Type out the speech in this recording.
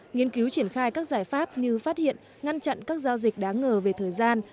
nghiên cứu triển khai các giải pháp như phát hiện ngăn chặn các giao dịch đáng ngờ về thời gian